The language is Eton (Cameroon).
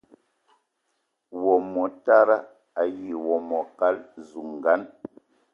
Wo motara ayi wo mokal zugan